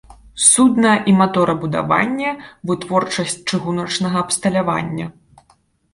Судна- і маторабудаванне, вытворчасць чыгуначнага абсталявання.